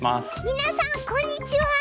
皆さんこんにちは！